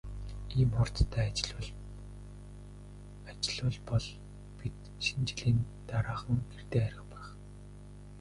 Ийм хурдтай ажиллавал бол бид Шинэ жилийн дараахан гэртээ харих байх.